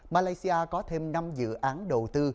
malaysia có thêm năm dự án đầu tư